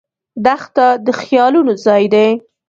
دښته د خیالونو ځای دی.